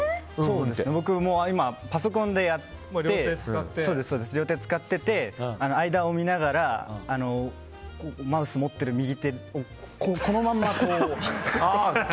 僕も今、パソコンでやって両手使ってて間を見ながらマウスを持ってる右手をこのまま、こう。